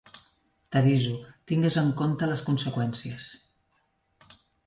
T"aviso, tingues en compte les conseqüències.